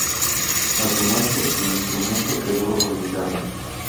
A su muerte, el instrumento quedó olvidado.